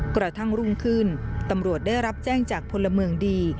กระทั่งรุ่งขึ้นตำรวจได้รับแจ้งจากพลเมืองดี